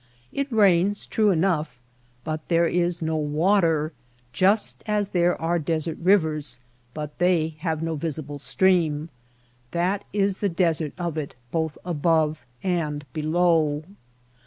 It rains, true enough, but there is no water, just as there are desert rivers, but they have no visible stream. That is the desert of it both above and below.